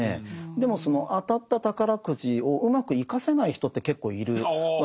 でもその当たった宝くじをうまく生かせない人って結構いるわけですよね。